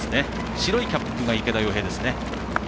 白いキャップが池田耀平です。